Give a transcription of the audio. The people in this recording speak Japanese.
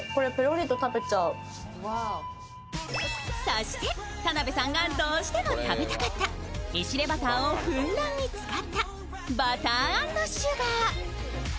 そして田辺さんがどうしても食べたかったエシレバターをふんだんに使ったバター＆シュガー。